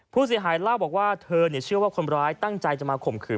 ผู้เสียหายเล่าบอกว่าเธอเชื่อว่าคนร้ายตั้งใจจะมาข่มขืน